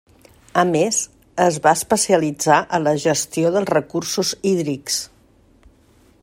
A més, es va especialitzar a la gestió dels recursos hídrics.